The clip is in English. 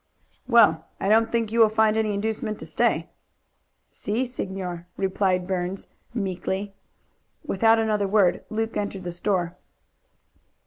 "Well, I don't think you will find any inducement to stay." "Si, signor," replied Burns meekly. Without another word Luke entered the store.